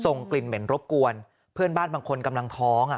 กลิ่นเหม็นรบกวนเพื่อนบ้านบางคนกำลังท้องอ่ะ